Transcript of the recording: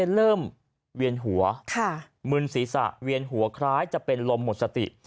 เวียนหัวมึนศีรษะเวียนหัวคล้ายจะเป็นลมหมดสติ